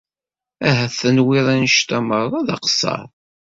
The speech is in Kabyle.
Ahat tenwiḍ annect-a merra d aqeṣṣer?